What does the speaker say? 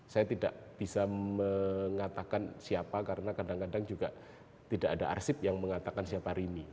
saya tidak bisa mengatakan siapa karena kadang kadang juga tidak ada arsip yang mengatakan siapa rini